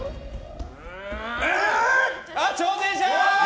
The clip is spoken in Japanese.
挑戦者！